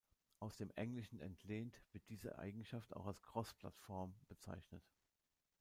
Aus dem Englischen entlehnt wird diese Eigenschaft auch als "Cross"-Plattform bezeichnet.